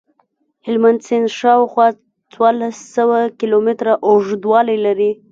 هلمند سیند شاوخوا څوارلس سوه کیلومتره اوږدوالی لري.